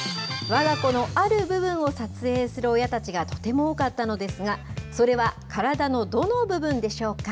わが子のある部分を撮影する親たちがとても多かったのですが、それは体のどの部分でしょうか？